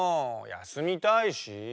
やすみたいし。